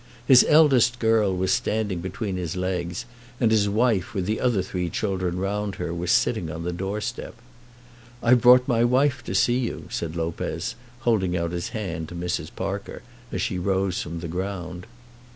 His eldest girl was standing between his legs, and his wife, with the other three children round her, was sitting on the doorstep. "I've brought my wife to see you," said Lopez, holding out his hand to Mrs. Parker, as she rose from the ground.